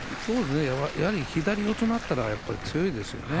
やはり左四つになったら強いですよね。